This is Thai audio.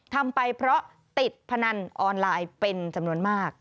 ทำไปเพราะติดพนันออนไลน์เป็นจำนวนมาก